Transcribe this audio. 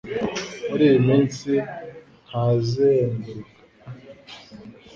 Muri iyi minsi, ntazenguruka.